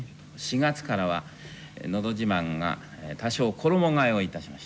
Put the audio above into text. ４月からは「のど自慢」が多少、衣替えをいたしまして。